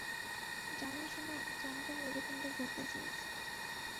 জানো, সোনা, জানতাম এরকমটা ঘটতে চলেছে।